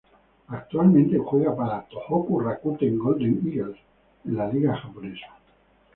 Actualmente juega para Tohoku Rakuten Golden Eagles en la Liga Japonesa.